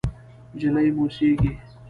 نجلۍ موسېږي…